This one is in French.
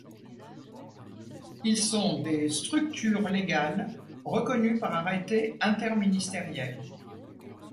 Ils sont des structures légales reconnues par arrêté interministériel.